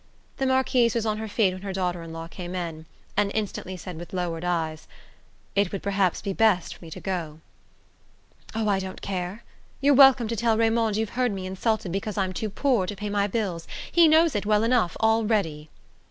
The Marquise was on her feet when her daughter in law came in, and instantly said with lowered eyes: "It would perhaps be best for me to go." "Oh, I don't care. You're welcome to tell Raymond you've heard me insulted because I'm too poor to pay my bills he knows it well enough already!"